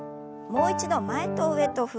もう一度前と上に。